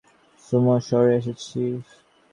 Sumo শহরে এসেছি।